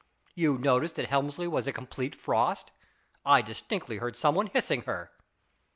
You noticed that Helmsley was a complete frost ? I distinctly heard some one hissing her."